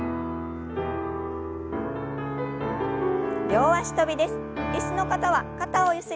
両脚跳びです。